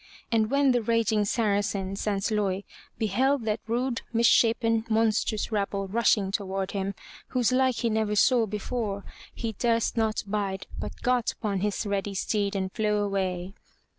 And when the raging Saracen, Sansloy, beheld that rude, misshapen, monstrous rabble rushing toward him, whose like he never saw before, he durst not bide, but got upon his ready steed and flew away.